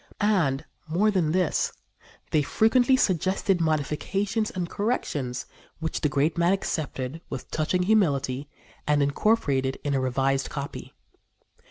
And more than this, they frequently suggested modifications and corrections which the great man accepted with touching humility and incorporated in a revised copy.